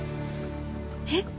えっ？